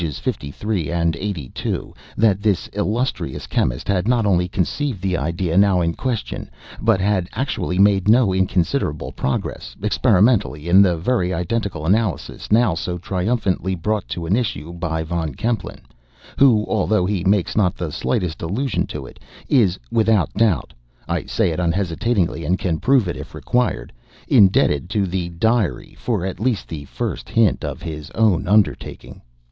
53 and 82, that this illustrious chemist had not only conceived the idea now in question, but had actually made no inconsiderable progress, experimentally, in the very identical analysis now so triumphantly brought to an issue by Von Kempelen, who although he makes not the slightest allusion to it, is, without doubt (I say it unhesitatingly, and can prove it, if required), indebted to the 'Diary' for at least the first hint of his own undertaking.